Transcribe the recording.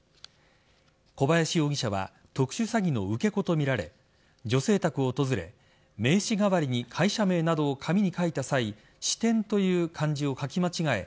小林容疑者は特殊詐欺の受け子とみられ女性宅を訪れ名刺代わりに会社名などを紙に書いた際支店という漢字を書き間違え